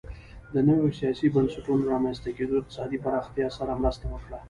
د نویو سیاسي بنسټونو رامنځته کېدو اقتصادي پراختیا سره مرسته وکړه